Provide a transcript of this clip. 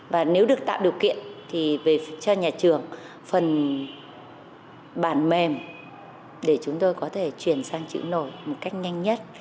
và nếu được tạo điều kiện thì về cho nhà trường phần bản mềm để chúng tôi có thể chuyển sang chữ nổi một cách nhanh nhất